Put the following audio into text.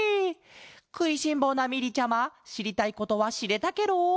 くいしんぼうなみりちゃましりたいことはしれたケロ？